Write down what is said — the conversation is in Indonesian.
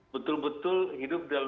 betul betul hidup dalam